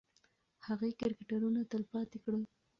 هغې کرکټرونه تلپاتې کړل.